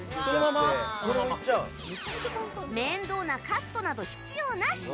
面倒なカットなど必要なし。